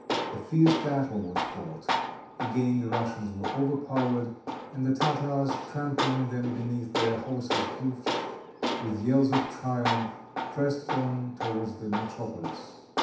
A fierce battle was fought. Again the Russians were overpowered, and the Tartars, trampling them beneath their horses' hoofs, with yells of triumph, pressed on towards the metropolis.